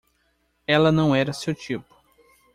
Ela não era seu tipo.